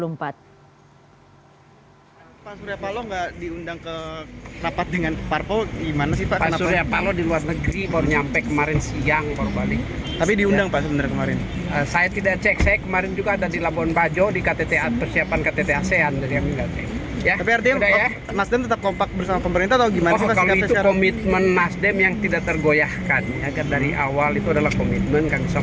mas dem tetap kompak bersama pemerintah atau gimana